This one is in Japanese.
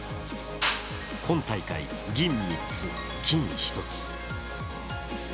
今大会、銀３つ、金１つ。